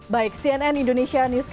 baik cnn indonesia news